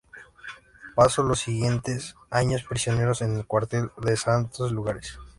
Pasó los siguientes años prisionero en el cuartel de Santos Lugares.